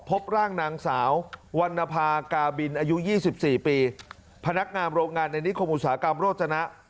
พบร่างนางสาววรรณภากาบินอายุ๒๔ปีพนักงานโรงงานในนิคมอุตสาหกรรมโรจนะ